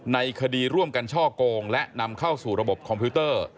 ในคดีร่วมกันช่อโกงและนำเข้าสู่ระบบคอมพิวเตอร์